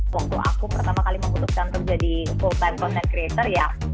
waktu aku pertama kali memutuskan untuk jadi full time content creator ya